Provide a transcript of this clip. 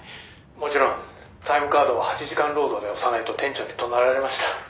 「もちろんタイムカードは８時間労働で押さないと店長に怒鳴られました」